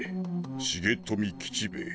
重富吉兵衛」。